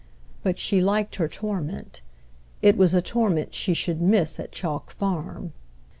But she liked her torment; it was a torment she should miss at Chalk Farm.